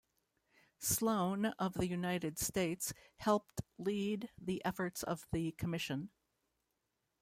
Sloane of the United States helped lead the efforts of the commission.